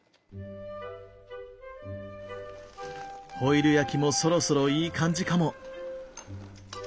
ホイル焼きもそろそろいい感じかも。